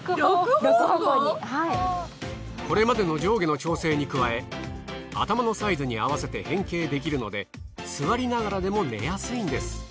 これまでの上下の調整に加え頭のサイズに合わせて変形できるので座りながらでも寝やすいんです。